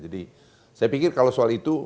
jadi saya pikir kalau soal itu